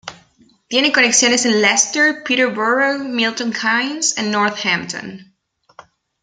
Tiene conexiones con Leicester, Peterborough, Milton Keynes y Northampton.